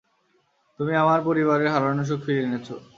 তুমি আমার পরিবারের হারানো সুখ ফিরিয়ে এনেছ।